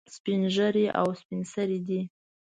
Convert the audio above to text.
سپین ږیري او سپین سرې دي.